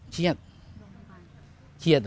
เครียดเครียดเหรอ